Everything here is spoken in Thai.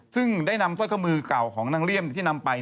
ซึ่งได้นำสร้อยข้อมือเก่าของนางเลี่ยมที่นำไป